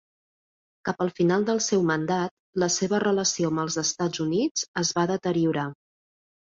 Cap al final del seu mandat, la seva relació amb els Estats Units es va deteriorar.